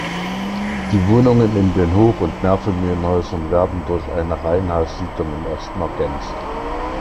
Die Wohnungen in den Hoch- und Mehrfamilienhäusern werden durch eine Reihenhaus-Siedlung im Osten ergänzt.